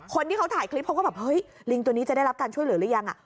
คนที่เขาถ่ายคลิปเขาก็แบบเฮ้ยลิงตัวนี้จะได้รับการช่วยเหลือหรือยัง